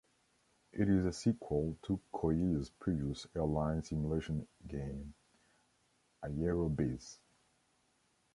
It is a sequel to Koei's previous airline simulation game, "Aerobiz".